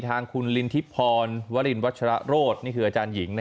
ทางคุณลินทิพรวรินวัชระโรธนี่คืออาจารย์หญิง